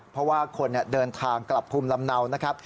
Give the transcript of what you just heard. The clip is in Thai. เพราะว่าคนเดินทางกลับภูมิลำเนานะครับ